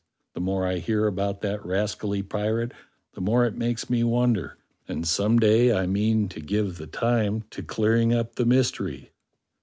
The more I hear about that rascally pirate the more it makes me wonder; and some day I mean to give the time to clearing up the mystery."